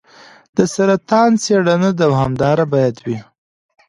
د سرطان څېړنه دوامداره باید وي.